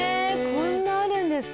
こんなあるんですか。